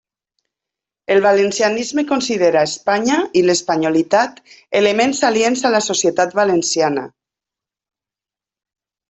El valencianisme considera Espanya i l'espanyolitat elements aliens a la societat valenciana.